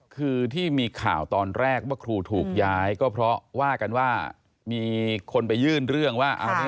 คือที่มีข่าวตอนแรกว่าครูถูกย้ายก็เพราะว่ากันว่ามีคนไปยื่นเรื่องว่า